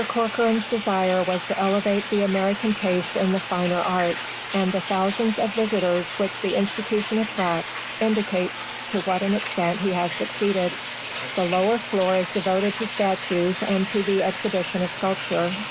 Corcoran's desire was to elevate the American taste in the finer arts, and the thousands of visitors which the institution attracts, indicates to what an extent he has succeeded. The lower floor is devoted to statues and to the exhibition of sculpture.